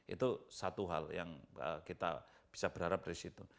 itu satu hal yang kita bisa berharap dari situ